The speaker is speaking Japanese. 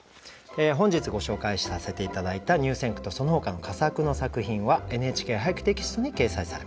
本日ご紹介させて頂いた入選句とそのほかの佳作の作品は「ＮＨＫ俳句」テキストに掲載されます。